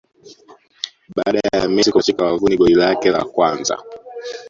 Baada ya Messi kupachika wavuni goli lake la kwanza